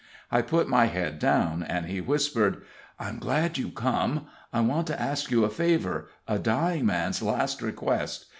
I put my head down, and he whispered: "I'm glad you've come; I want to ask you a favor a dying man's last request.